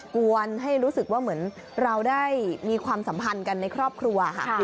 กวนให้รู้สึกว่าเหมือนเราได้มีความสัมพันธ์กันในครอบครัวค่ะ